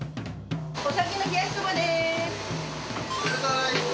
お先の冷やしそばです。